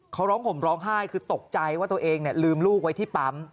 เขาร้องห่มร้องไห้คือตกใจว่าตัวเองลืมลูกไว้ที่ปั๊ม